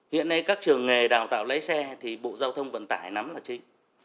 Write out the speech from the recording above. hiện nay các trường nghề đào tạo lái xe thì bộ giao thông vận tải nắm là chính